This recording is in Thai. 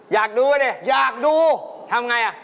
อยากดูดิอยากดูทำไงอ่ะ